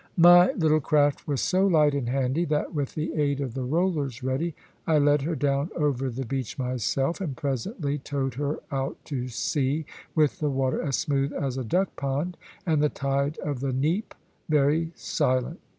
My little craft was so light and handy, that, with the aid of the rollers ready, I led her down over the beach myself, and presently towed her out to sea, with the water as smooth as a duck pond, and the tide of the neap very silent.